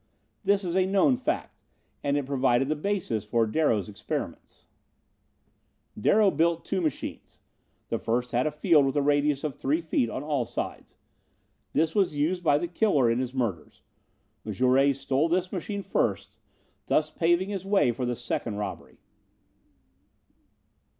This is a known fact, and it provided the basis for Darrow's experiments. "Darrow built two machines. The first had a field with a radius of three feet on all sides. This was used by the killer in his murders. Jouret stole this machine first, thus paving his way for the second robbery.